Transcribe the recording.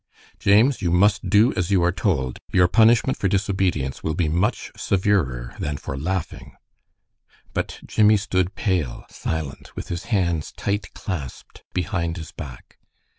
"James, you must do as you are told. Your punishment for disobedience will be much severer than for laughing." But Jimmie stood pale, silent, with his hands tight clasped behind his back.